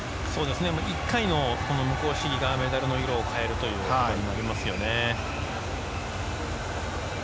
１回の無効試技がメダルの色を変えるということになりますよね。